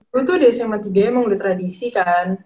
dulu tuh di sma tiga emang udah tradisi kan